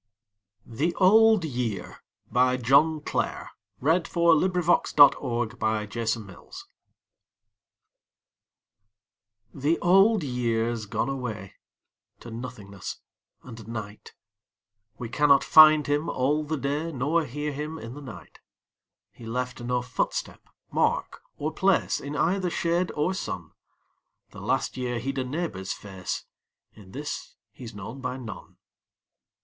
s, To the miller himsel', and his three bonny daughters. The Old Year The Old Year's gone away To nothingness and night: We cannot find him all the day Nor hear him in the night: He left no footstep, mark or place In either shade or sun: The last year he'd a neighbour's face, In this he's known by none.